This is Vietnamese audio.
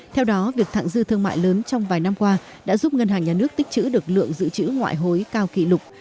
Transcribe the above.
theo đó việc thẳng dư thương mại lớn trong vài năm qua đã giúp ngân hàng nhà nước tích chữ được lượng dự trữ ngoại hối cao kỷ lục